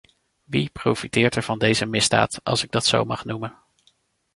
Wie profiteert er van deze misdaad als ik dat zo mag noemen?